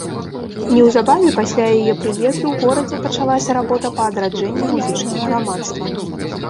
Неўзабаве пасля яе прыезду ў горадзе пачалася работа па адраджэнні музычнага грамадства.